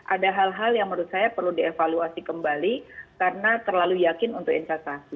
ada hal hal yang menurut saya perlu dievaluasi kembali karena terlalu yakin untuk investasi